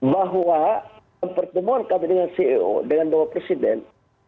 bahwa pertemuan kami dengan ceo dengan bapak presiden